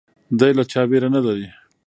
دی له چا ویره نه لري.